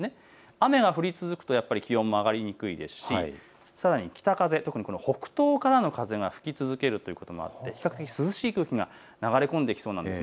雨が降り続くと気温も上がりにくいですしさらに北風、北東からの風が吹き続けるということもあって比較的涼しい空気が流れ込んできそうなんです。